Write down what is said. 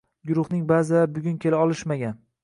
Guruhning baʼzilari bugun kela olishmagan.